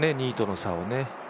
２位との差を。